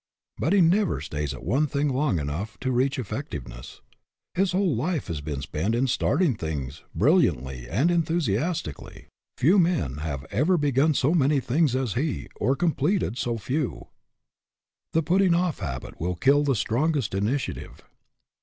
But he never stays at one thing long enough to reach effectiveness. His whole life has been spent in starting things brilliantly and enthusiastically; few men have AN OVERMASTERING PURPOSE 117 ever begun so many things as he, or completed so few. The putting off habit will kill the strongest initiative.